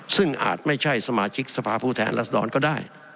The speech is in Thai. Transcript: ซึ่งอาจไม่ใช่สมาชิกสภาพผู้แทนรัศดรก็ได้